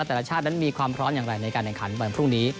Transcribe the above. แต่ละชาตินั้นมีความพร้อมอย่างไรในการแข่งขันวันพรุ่งนี้